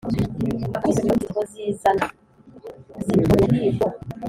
“Bakame isubiza Warupyisi iti: “Ngo zizana! Uzi ukuntu uyu muhigo